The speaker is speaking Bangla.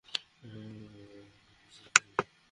হ্যাঁ, আমার একজন বয়ফ্রেন্ড আছে।